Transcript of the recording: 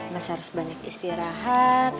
mas harus banyak istirahat